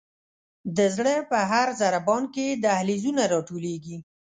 د زړه په هر ضربان کې دهلیزونه را ټولیږي.